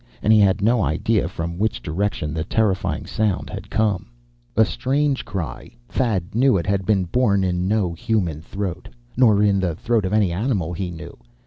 And he had no idea from which direction the terrifying sound had come. A strange cry. Thad knew it had been born in no human throat. Nor in the throat of any animal he knew.